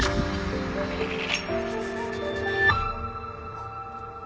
あっ。